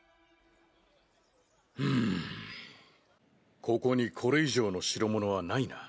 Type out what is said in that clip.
うんここにこれ以上の代物はないな。